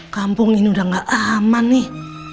kampung ini udah gak aman nih